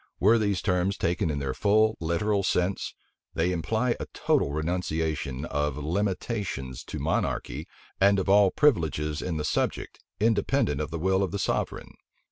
Were these terms taken in their full literal sense, they imply a total renunciation of limitations to monarchy, and of all privileges in the subject, independent of the will of the sovereign.